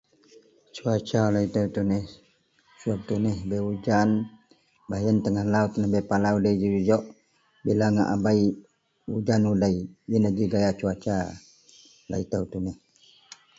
Cuaca lau itou tuneh, suwab tuneh bei ujan baih yen tengah lau bei pala udei jujok bila ngak abeiujan udei. Yen ji gaya cuaca lau itou tuneh.